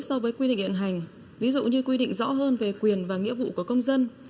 so với quy định hiện hành ví dụ như quy định rõ hơn về quyền và nghĩa vụ của công dân